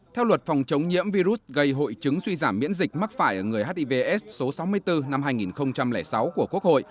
theo luật phòng chống nhiễm virus gây hội chứng suy giảm miễn dịch mắc phải ở người hiv s số sáu mươi bốn năm hai nghìn sáu của quốc hội